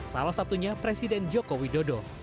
salah satunya presiden joko widodo